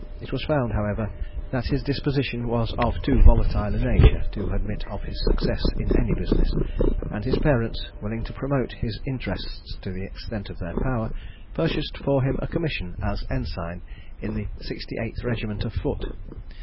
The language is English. It was found, however, that his disposition was of too volatile a nature to admit of his success in any business; and his parents, willing to promote his interests to the extent of their power, purchased for him a commission as ensign in the 68th regiment of foot.